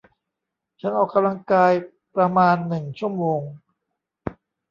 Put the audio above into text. ฉันออกกำลังกายประมาณหนึ่งชั่วโมง